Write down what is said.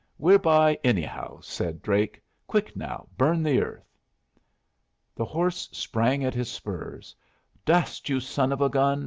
"We're by, anyhow," said Drake. "Quick now. Burn the earth." The horse sprang at his spurs. "Dust, you son of a gun!